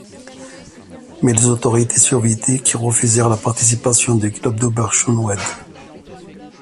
Mais les autorités soviétiques refusèrent la participation du club d’Oberschöneweide.